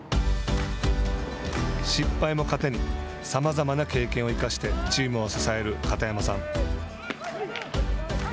失敗も糧に、さまざまな経験を生かしてチームを支える片山さん。